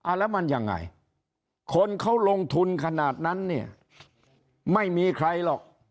แล้วมันยังไงคนเขาลงทุนขนาดนั้นเนี่ยไม่มีใครหรอก